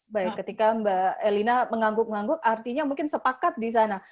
baik ketika mbak elina mengangguk ngangguk artinya mungkin sepakat di sana